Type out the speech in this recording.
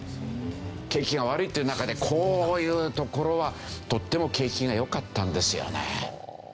景気が悪いっていう中でこういうところはとっても景気が良かったんですよね。